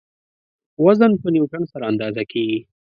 وزن په نیوټن سره اندازه کیږي.